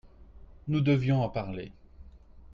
Nous devions en parler.